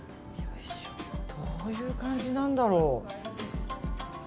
どういう感じなんだろう。